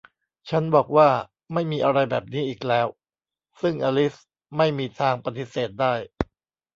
ฉันบอกว่า ไม่มีอะไรแบบนี้อีกแล้ว ซึ่งอลิซไม่มีทางปฏิเสธได้